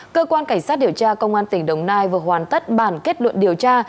cơ quan cảnh sát điều tra công an tỉnh đồng nai vừa hoàn tất bản kết luận điều tra